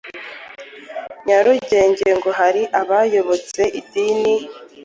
Nyarugenge Ngo hari abayobotse idini